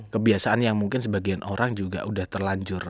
kebiasaan yang mungkin sebagian orang juga sudah terlanjur